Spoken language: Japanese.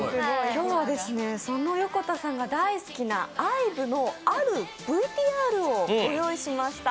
今日はその横田さんが大好きなＩＶＥのあるＶＴＲをご用意しました。